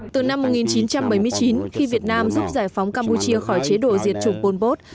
từ năm một nghìn chín trăm bảy mươi chín khi việt nam giúp giải phóng campuchia khỏi chế độ diệt chủng pol pot